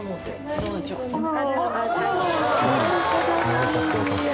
よかったよかった。